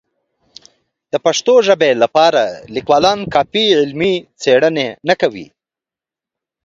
د پښتو ژبې لپاره لیکوالان کافي علمي څېړنې نه کوي.